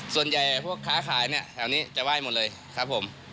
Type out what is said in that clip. ส่วนใหญ่พวกค้าขายเนี่ยแถวนี้จะไหว้หมดเลยครับผม